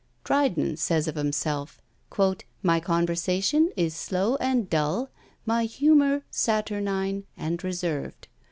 Dryden says of himself "My conversation is slow and dull, my humour saturnine and reserved.